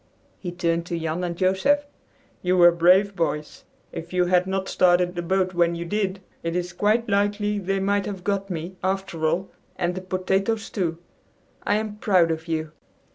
He turned to Jan and Joseph. "You were brave boys! If you had not started the boat when you did, it is quite likely they might have got me, after all, and the potatoes too. I am proud of you."